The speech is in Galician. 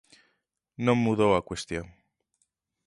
Non mudou a cuestión.